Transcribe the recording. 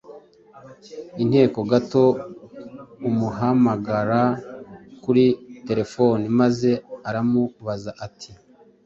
inteko gato amuhamagara kuri terefone maze aramubaza ati: